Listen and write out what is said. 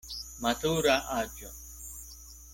Matura aĝo.